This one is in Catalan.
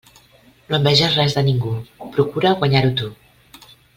No enveges res de ningú, procura guanyar-ho tu.